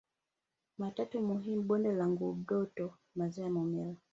matatu muhimu bonde la Ngurdoto maziwa ya Momella